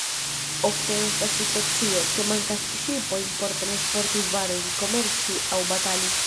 Ofte estas situacio, ke mankas ŝipojn por transporti varojn, komerci aŭ batali.